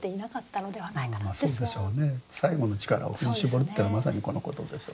最後の力を振り絞るってのはまさにこのことでしょうね。